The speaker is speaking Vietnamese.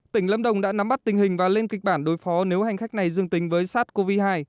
tỉnh lâm đồng đã nắm bắt tình hình và lên kịch bản đối phó nếu hành khách này dương tính với sars cov hai